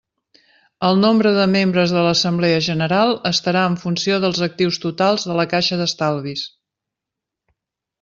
El nombre de membres de l'assemblea general estarà en funció dels actius totals de la caixa d'estalvis.